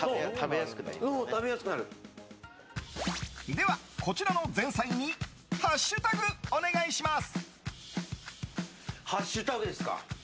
では、こちらの前菜にハッシュタグお願いします。